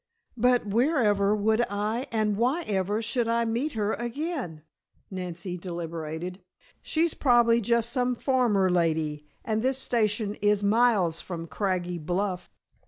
"But wherever would I and why ever should I meet her again?" Nancy deliberated. "She's probably just some farmer lady, and this station is miles from Craggy Bluff."